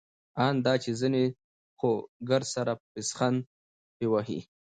آن دا چي ځيني خو ګرسره پسخند په وهي.